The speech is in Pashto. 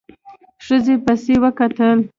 ښځې پسې وکتل.